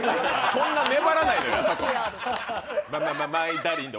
そんな粘らないのよ。